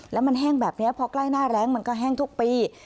แล้วมันแห้งแบบนี้พอใกล้หน้าแรงมันก็แห้งทุกปี